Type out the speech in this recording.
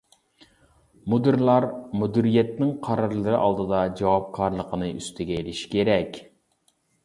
مۇدىرلار مۇدىرىيەتنىڭ قارارلىرى ئالدىدا جاۋابكارلىقىنى ئۈستىگە ئېلىشى كېرەك.